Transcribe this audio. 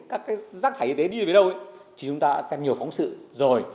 các cái chất thải y tế đi về đâu ấy thì chúng ta xem nhiều phóng sự rồi